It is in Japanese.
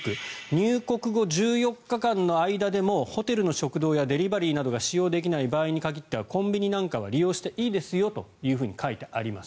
入国後１４日間の間でもホテルの食堂やデリバリーなどが使用できない場合に限ってはコンビニなんかは利用していいですよと書いてあります。